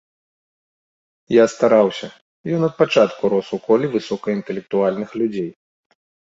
Я стараўся, ён ад пачатку рос ў коле высокаінтэлектуальных людзей.